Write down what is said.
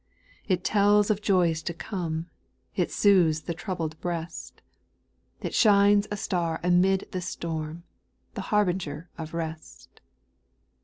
5. It tells of joys to come. It soothes the troubled breast, SPIRITUAL SONGS. 381 It shines a star amid the storm, The harbinger of rest.